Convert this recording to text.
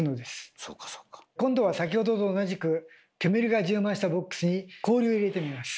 今度は先ほどと同じく煙が充満したボックスに氷を入れてみます。